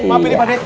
maaf ini pak d